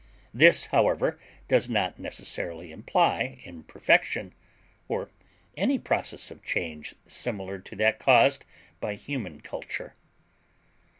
This, however, does not necessarily imply imperfection, or any process of change similar to that caused by human culture.